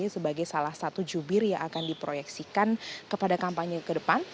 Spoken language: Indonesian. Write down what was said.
sebagai salah satu jubir yang akan diproyeksikan kepada kampanye ke depan